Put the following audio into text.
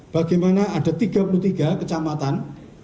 bagaimana ada tiga puluh tiga kecamatan